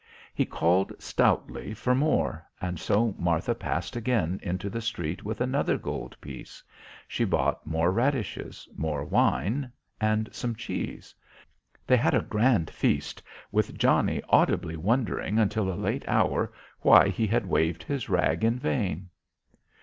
He called stoutly for more, and so Martha passed again into the street with another gold piece. She bought more radishes, more wine and some cheese. They had a grand feast, with Johnnie audibly wondering until a late hour why he had waved his rag in vain.